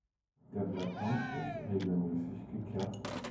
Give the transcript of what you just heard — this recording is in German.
Der Blattrand ist regelmäßig gekerbt.